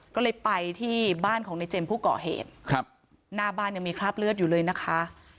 ก็เลยไปที่บ้านของในเจมส์ผู้ก่อเหตุครับหน้าบ้านยังมีคราบเลือดอยู่เลยนะคะ